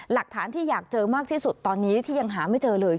หลักฐานที่อยากเจอมากที่สุดตอนนี้ที่ยังหาไม่เจอเลย